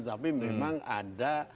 tapi memang ada